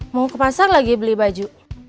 mau ke pasar lagi beli baju